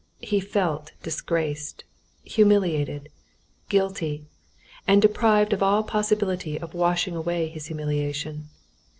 He felt disgraced, humiliated, guilty, and deprived of all possibility of washing away his humiliation.